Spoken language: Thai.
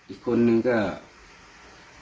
อีกคนนึงก็